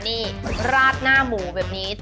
นี่ราดหน้าหมูแบบนี้